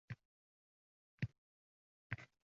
baribir u meni mijozim.